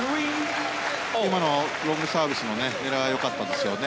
今のロングサービスも狙いは良かったですよね。